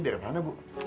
dari mana bu